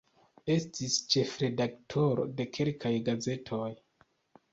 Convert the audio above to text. Estis ĉefredaktoro de kelkaj gazetoj.